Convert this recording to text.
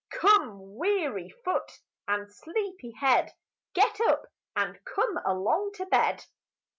Come, weary foot, and sleepy head, Get up, and come along to bed."